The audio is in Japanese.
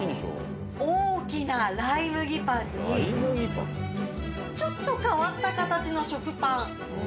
大きなライ麦パンにちょっと変わった形の食パン。